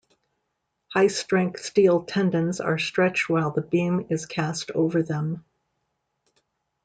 High strength steel tendons are stretched while the beam is cast over them.